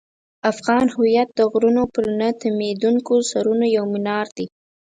افغان هویت د غرونو پر نه تمېدونکو سرونو یو منار دی.